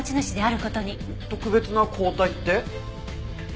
特別な抗体って？